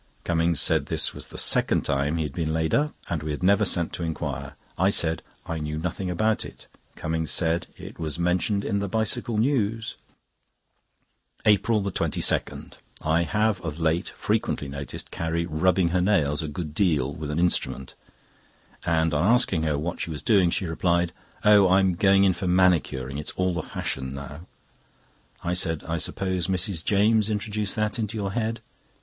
Cummings said this was the second time he had been laid up, and we had never sent to inquire. I said I knew nothing about it. Cummings said: "It was mentioned in the Bicycle News." APRIL 22.—I have of late frequently noticed Carrie rubbing her nails a good deal with an instrument, and on asking her what she was doing, she replied: "Oh, I'm going in for manicuring. It's all the fashion now." I said: "I suppose Mrs. James introduced that into your head."